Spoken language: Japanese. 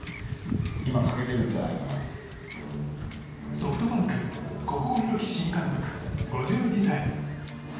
ソフトバンク小久保裕紀新監督、５２歳。